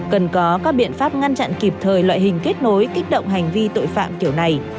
cần có các biện pháp ngăn chặn kịp thời loại hình kết nối kích động hành vi tội phạm kiểu này